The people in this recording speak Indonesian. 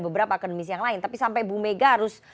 beberapa akademisi yang lain tapi sampai bu mega harus